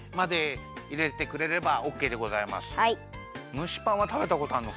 むしパンはたべたことあんの？